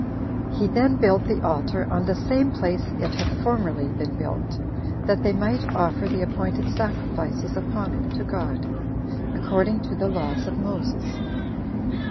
He then built the altar on the same place it had formerly been built, that they might offer the appointed sacrifices upon it to God, according to the laws of Moses.